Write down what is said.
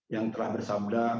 yang telah bersabda